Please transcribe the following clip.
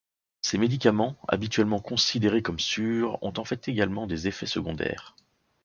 Ces médicaments, habituellement considérés comme sûrs, ont en fait également des effets secondaires.